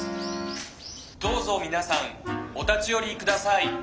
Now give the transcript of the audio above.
どうぞ皆さんお立ち寄り下さい」。